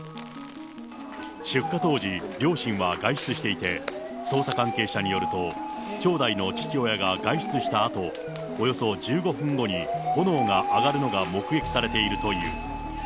出火当時、両親は外出していて、捜査関係者によると、兄弟の父親が外出したあと、およそ１５分後に炎が上がるのが目撃されているという。